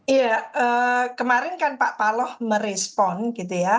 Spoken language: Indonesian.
iya kemarin kan pak paloh merespon gitu ya